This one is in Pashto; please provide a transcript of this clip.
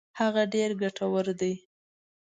هغه ډېر ګټور دي.